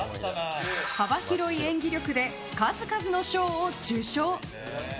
幅広い演技力で数々の賞を受賞！